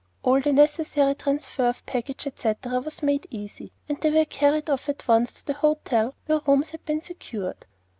All the necessary transfer of baggage, etc., was made easy, and they were carried off at once to the hotel where rooms had been secured.